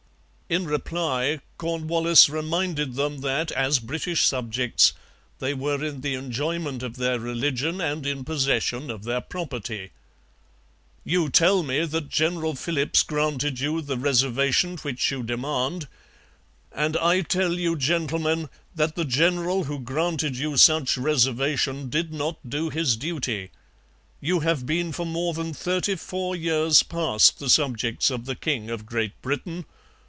In reply Cornwallis reminded them that, as British subjects, they were in the enjoyment of their religion and in possession of their property. 'You tell me that General Philipps granted you the reservation which you demand; and I tell you gentlemen, that the general who granted you such reservation did not do his duty... You have been for more than thirty four years past the subjects of the King of Great Britain...